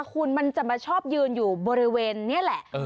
คุณมันจะมาชอบยืนอยู่บริเวณนี้แหละ